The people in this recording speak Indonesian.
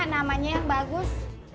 namanya yang bagus